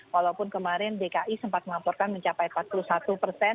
walaupun kemarin dki sempat melaporkan mencapai empat puluh satu persen